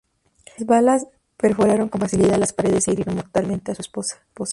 Las balas perforaron con facilidad las paredes e hirieron mortalmente a su esposa.